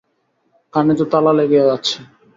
কানে তো তালা লেগে যাচ্ছে।